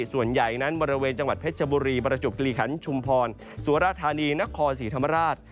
ส่วนใหญ่นั้นบริเวณจังหวัดเพชรชบุรีประจบกิริขันชุมพรสุรธานีนครศรีธรรมราช